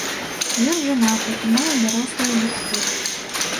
Ён жанаты і мае дарослую дачку.